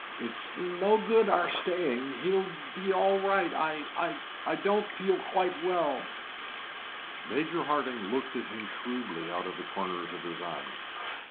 "It's no good our staying. He'll be all right. I I don't feel quite well." Major Hardinge looked at him shrewdly out of the corner of his eyes.